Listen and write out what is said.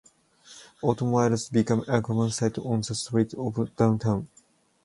Automobiles became a common sight on the streets of downtown.